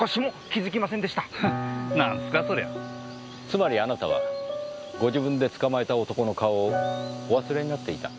つまりあなたはご自分で捕まえた男の顔をお忘れになっていた。